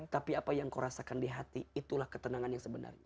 tapi apa yang kau rasakan di hati itulah ketenangan yang sebenarnya